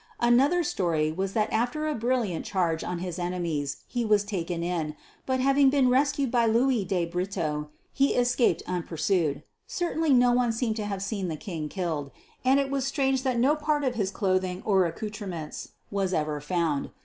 Another story was that after a brilliant charge on his enemies he was taken in, but having been rescued by Lui de Brito he escaped unpursued. Certainly no one seemed to have seen the King killed, and it was strange that no part of his clothing or accoutrements was ever found.